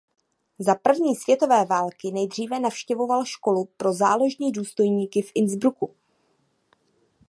Za první světové války nejdříve navštěvoval školu pro záložní důstojníky v Innsbrucku.